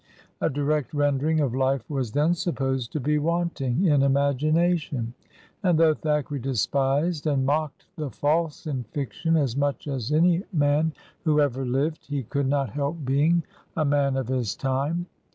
A direct rendering of life was then supposed to be want ing in " imagination/' and though Thackeray despised and mocked the false in fiction as much as any man who ever Uved, he could not help being a man of his time.